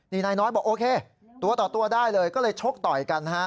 นี่นายน้อยบอกโอเคตัวต่อตัวได้เลยก็เลยชกต่อยกันนะฮะ